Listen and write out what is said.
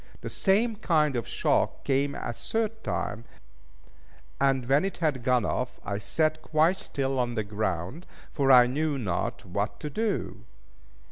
The same kind of shock came a third time; and when it had gone off, I sat quite still on the ground, for I knew not what to do.